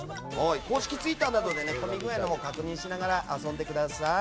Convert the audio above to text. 公式ツイッターで混み具合を確認しながら遊んでください。